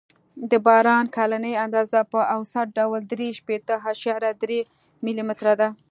د باران کلنۍ اندازه په اوسط ډول درې شپېته اعشاریه درې ملي متره ده